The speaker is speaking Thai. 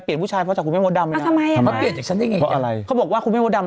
เปลี่ยนผู้ชายเพราะจากคุณแม่โมดดำ